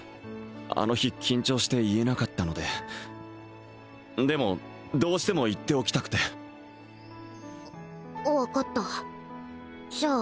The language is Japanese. あの日緊張して言えなかったのででもどうしても言っておきたくて分かったじゃあ